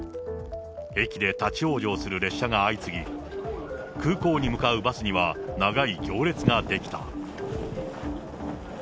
駅で立往生する列車が相次ぎ、空港に向かうバスには、長い行列が出来た。